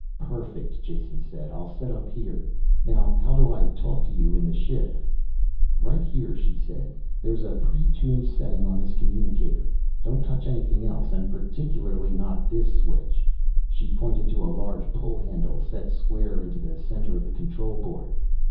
"Perfect," Jason said. "I'll set up here. Now how do I talk to you in the ship?" "Right here," she said. "There's a pre tuned setting on this communicator. Don't touch anything else and particularly not this switch." She pointed to a large pull handle set square into the center of the control board.